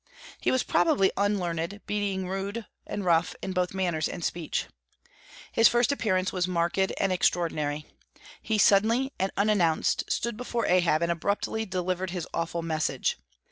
He was probably unlearned, being rude and rough in both manners and speech. His first appearance was marked and extraordinary. He suddenly and unannounced stood before Ahab, and abruptly delivered his awful message.